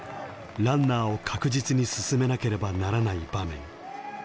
ランナーを確実に進めなければならない場面。